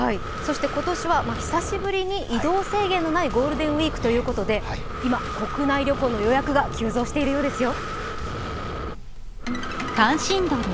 今年は久しぶりに移動制限のないゴールデンウイークということで今、国内旅行の予約が急増しているようですよ。